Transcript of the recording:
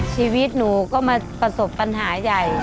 ชีวิตหนูก็มาประสบปัญหาใหญ่